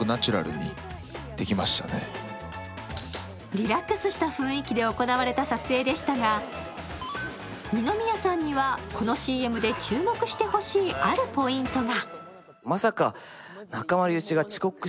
リラックスした雰囲気で行われた撮影でしたが二宮さんにはこのＣＭで注目してほしいあるポイントが。